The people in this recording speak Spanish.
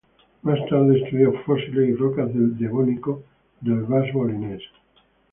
Más tarde estudió fósiles y rocas del Devónico del Bas-Boulonnais.